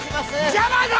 邪魔だー！